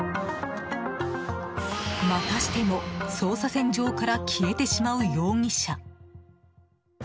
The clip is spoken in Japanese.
またしても捜査線上から消えてしまう容疑者。